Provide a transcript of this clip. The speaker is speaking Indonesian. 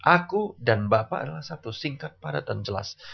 aku dan bapak adalah satu singkat padat dan jelas